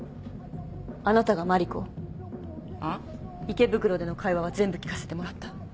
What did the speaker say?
池袋での会話は全部聞かせてもらった。